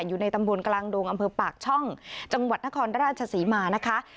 อยู่ในตำบลกลางดงอำเภอปากช่องจังหวัดนครราชศรีมานะคะ